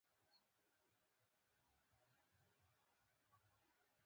د هیپاټوبلاسټوما د ماشومانو د ځګر سرطان دی.